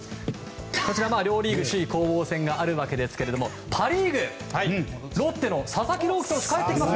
両リーグ首位攻防戦があるわけですがパ・リーグ、ロッテの佐々木朗希投手が帰ってきます。